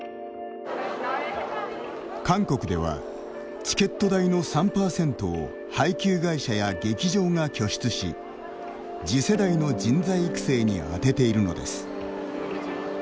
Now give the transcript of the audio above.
韓国では、チケット代の３％を配給会社や劇場が拠出し次世代の人材育成に充てているのです。